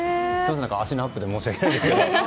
足のアップで申し訳ないです。